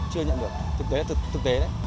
chưa nhận được thực tế đấy